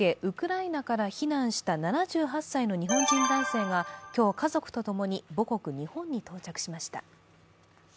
ウクライナから避難した７８歳の日本人男性が今日、家族とともに母国・日本に到着しました。